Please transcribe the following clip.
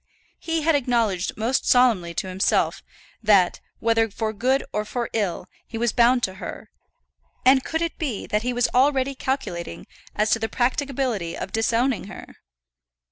He had acknowledged most solemnly to himself that, whether for good or for ill, he was bound to her; and could it be that he was already calculating as to the practicability of disowning her?